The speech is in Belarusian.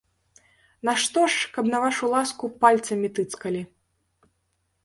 Нашто ж, каб на вашу ласку пальцамі тыцкалі.